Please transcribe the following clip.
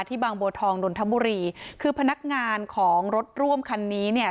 บางบัวทองนนทบุรีคือพนักงานของรถร่วมคันนี้เนี่ย